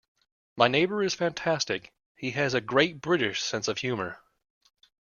My neighbour is fantastic; he has a great British sense of humour.